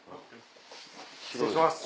失礼します。